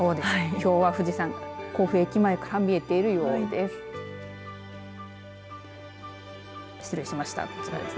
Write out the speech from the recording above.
きょうは富士山甲府駅前から見えているようです。